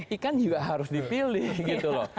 ikan juga harus dipilih gitu loh